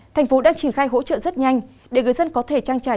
tp hcm đang triển khai hỗ trợ rất nhanh để người dân có thể trang trải